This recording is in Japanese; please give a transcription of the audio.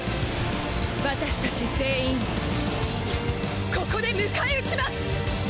私達全員ここで迎え撃ちます！